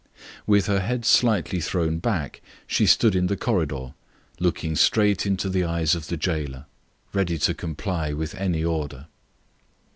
With her head slightly thrown back, she stood in the corridor, looking straight into the eyes of the jailer, ready to comply with any order.